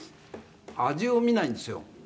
「味を見ないんですよ」